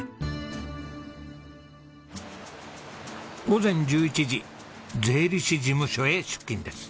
午前１１時税理士事務所へ出勤です。